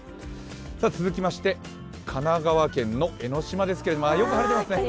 続きまして神奈川県江の島ですけれども、よく晴れていますね。